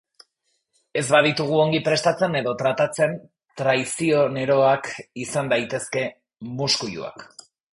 Ez baditugu ongi prestatzen edo tratatzen traizioneroak izan daitezke muskuiluak.